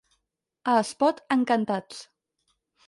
A Espot, encantats.